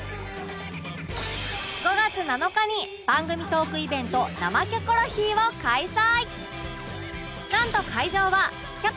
５月７日に番組トークイベント「生キョコロヒー」を開催